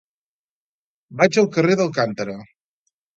Vaig al carrer d'Alcántara.